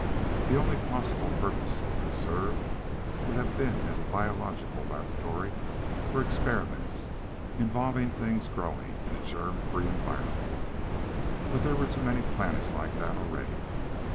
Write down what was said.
The only possible purpose it could serve would have been as a biological laboratory for experiments involving things growing in a germ free environment. But there were too many planets like that already.